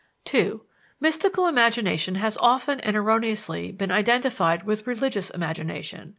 (2) Mystical imagination has often and erroneously been identified with religious imagination.